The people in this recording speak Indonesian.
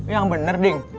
yang bener ding